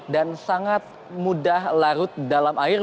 dan sangat mudah larut dalam air